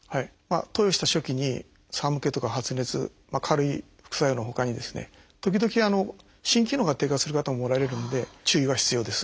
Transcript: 投与した初期に寒気とか発熱軽い副作用のほかに時々心機能が低下する方もおられるんで注意が必要です。